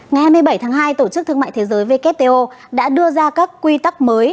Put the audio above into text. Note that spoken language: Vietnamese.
ngày hai mươi bảy tháng hai tổ chức thương mại thế giới wto đã đưa ra các quy tắc mới